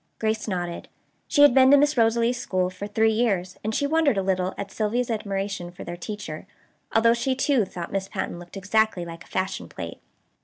Grace nodded. She had been to Miss Rosalie's school for three years, and she wondered a little at Sylvia's admiration for their teacher, although she too thought Miss Patten looked exactly like a fashion plate.